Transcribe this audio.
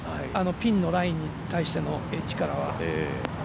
ピンのラインに対してのエッジからは。